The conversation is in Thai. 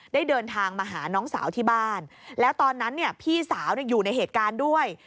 ได้เดินทางมาหาน้องสาวที่บ้านแล้วตอนนั้นพี่สาวอยู่ในเหตุการณ์ด้วย